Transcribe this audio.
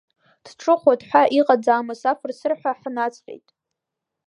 Дҿыхоит ҳәа иҟаӡамыз афыр-сырҳәа ҳнаҵҟьеит…